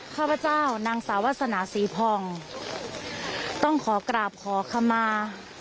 ข้าพเจ้านางสาวาสนาศรีพองต้องขอกราบขอขมา